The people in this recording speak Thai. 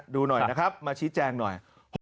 ดูหน่อยนะครับมาชี้แจงหน่อย